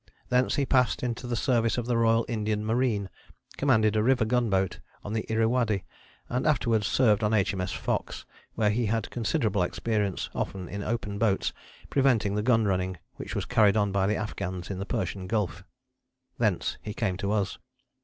Thence he passed into the service of the Royal Indian Marine, commanded a river gunboat on the Irrawaddy, and afterwards served on H.M.S. Fox, where he had considerable experience, often in open boats, preventing the gun running which was carried on by the Afghans in the Persian Gulf. Thence he came to us.